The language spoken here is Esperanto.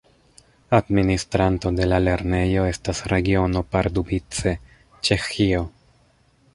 Administranto de la lernejo estas Regiono Pardubice, Ĉeĥio.